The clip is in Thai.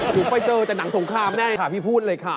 หนูไปเจอแต่หนังสงครามแน่ค่ะพี่พูดเลยค่ะ